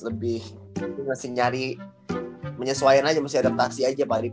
lebih masih nyari menyesuaikan aja masih adaptasi aja pak ripa